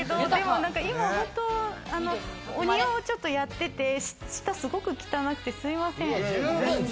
今本当、お庭をちょっとやってて、下すごく汚くて、すいません。